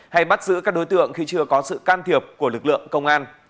hay bắt giữ các đối tượng khi chưa có sự can thiệp của lực lượng công an